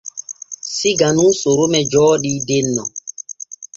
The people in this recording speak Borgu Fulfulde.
Siga nun Sorome jooɗii denno.